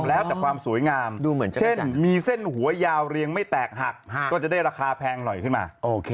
แล้วแต่ความสวยงามเช่นมีเส้นหัวยาวเรียงไม่แตกหักก็จะได้ราคาแพงหน่อยขึ้นมา